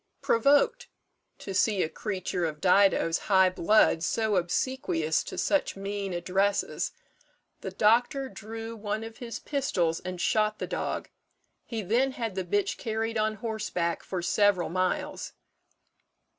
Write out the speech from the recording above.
Provoked to see a creature of Dido's high blood so obsequious to such mean addresses, the doctor drew one of his pistols and shot the dog; he then had the bitch carried on horseback for several miles.